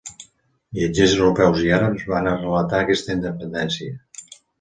Viatgers europeus i àrabs van relatar aquesta independència.